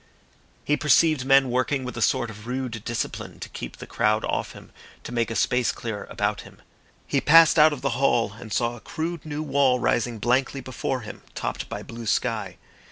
He perceived men working with a sort of rude discipline to keep the crowd off him, to make a space clear about him. He passed out of the hall, and saw a crude, new wall rising blankly before him topped by blue sky.